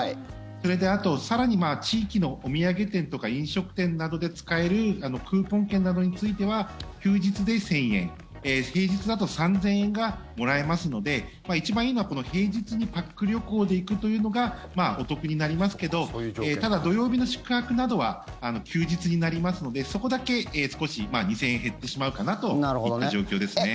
それであと、更に地域のお土産店とか飲食店などで使えるクーポン券などについては休日で１０００円、平日だと３０００円がもらえますので一番いいのは平日にパック旅行で行くというのがお得になりますけどただ、土曜日の宿泊などは休日になりますのでそこだけ、少し２０００円減ってしまうかなといった状況ですね。